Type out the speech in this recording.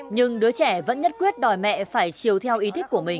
nhưng đứa trẻ vẫn nhất quyết đòi mẹ phải chiều theo ý thức của mình